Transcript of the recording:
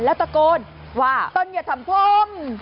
แล้วตะโกนว่าต้นอย่าทำผม